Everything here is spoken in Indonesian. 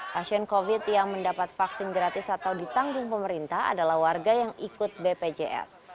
pasien covid yang mendapat vaksin gratis atau ditanggung pemerintah adalah warga yang ikut bpjs